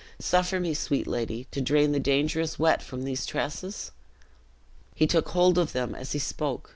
Suffer me, sweet lady, to drain the dangerous wet from these tresses?" He took hold of them as he spoke.